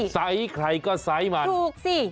ใส่ใครก็ใส่มัน